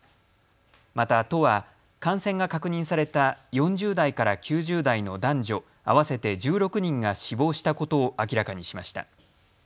また都は感染が確認された４０代から９０代の男女合わせて１６人が死亡したことを明らかにしました。